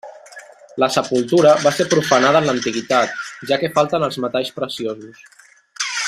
La sepultura va ser profanada en l'antiguitat, ja que falten els metalls preciosos.